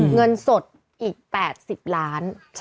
เงินสดอีก๘๐ล้าน